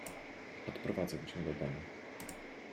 Odprowadzę cię do domu.